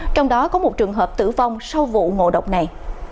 trong đó có một trường hợp tử vong sau vụ ngộ độc này